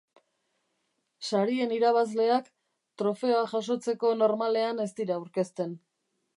Sarien irabazleak trofeoa jasotzeko normalean ez dira aurkezten.